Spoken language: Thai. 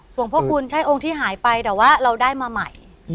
หลวงพ่อคุณใช่องค์ที่หายไปแต่ว่าเราได้มาใหม่